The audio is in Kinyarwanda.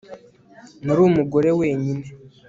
Nari umugore wenyine